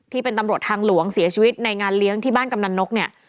ที่เป็นตำรวจทางหลวงเสียชีวิตในงานเลี้ยงที่บ้านกำนันนกเนี่ย